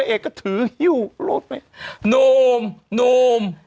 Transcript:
แล้วเอกก็ถือหิวรถไหม